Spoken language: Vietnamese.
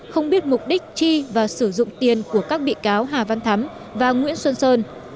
không biết mục đích chi và sử dụng tiền của các bị cáo hà văn thắm và nguyễn xuân sơn